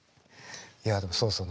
いやでもそうそう。